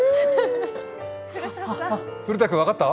古田君分かった？